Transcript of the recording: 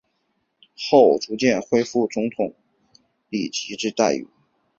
后逐渐恢复副总理级政治待遇。